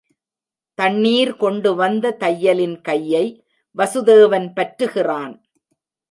தண்ணீர் கொண்டு வந்த தையலின் கையை வசுதேவன் பற்றுகிறான்.